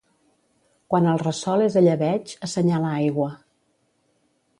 Quan el ressol és a llebeig, assenyala aigua.